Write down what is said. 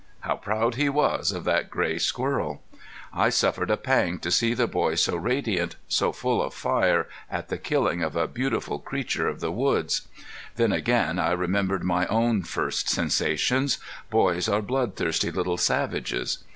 How proud he was of that gray squirrel! I suffered a pang to see the boy so radiant, so full of fire at the killing of a beautiful creature of the woods. Then again I remembered my own first sensations. Boys are blood thirsty little savages.